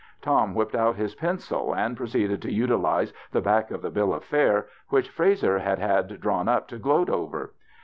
Tom whipped out his pencil and proceeded to utilize the back of the bill of fare which Frazer had had drawn up to gloat over.